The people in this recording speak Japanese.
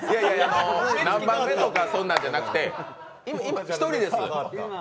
何番目とかそんなんじゃなくて１人です。